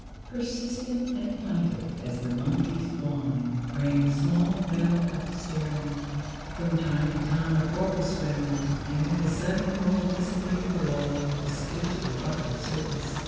Persistent and plaintive as the monkey's whine rang the small bell at the stern. From time to time a porpoise swam up, and with a sudden roll disappeared below the scarcely ruffled surface.